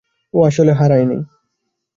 ও আসলে হারায়নি।